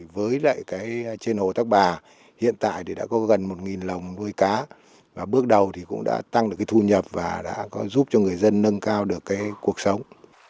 với lại trên hồ thác bà hiện tại thì đã có gần một lồng nuôi cá và bước đầu thì cũng đã tăng được cái thu nhập và đã có giúp cho người dân nâng cao được cuộc sống